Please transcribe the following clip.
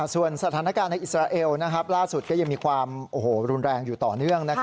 ส่วนสถานการณ์ในอิสราเอลล่าสุดก็ยังมีความรุนแรงอยู่ต่อเนื่อง